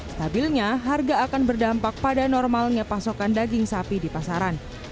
stabilnya harga akan berdampak pada normalnya pasokan daging sapi di pasaran